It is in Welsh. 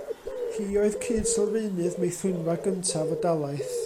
Hi oedd cyd-sylfaenydd meithrinfa gyntaf y dalaith.